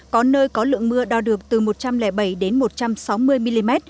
có nơi có lượng mưa đo được từ một trăm linh bảy đến một trăm sáu mươi mm